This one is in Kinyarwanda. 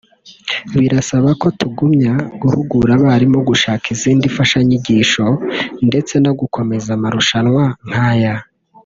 birasaba ko tugumya guhugura abarimu gushaka izindi mfashanyigisho ndetse no gukomeza amarushanwa nk’aya”